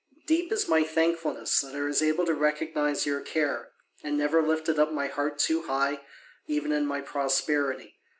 Deep is my thankfulness that I was able to recognise your care, and never lifted up my heart too high even in my prosperity.